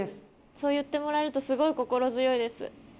そう言ってもらえるとすごい心強いです。